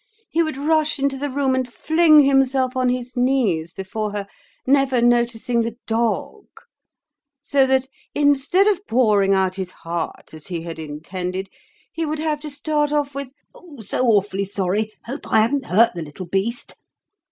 He would rush into the room and fling himself on his knees before her, never noticing the dog, so that, instead of pouring out his heart as he had intended, he would have to start off with, 'So awfully sorry! Hope I haven't hurt the little beast?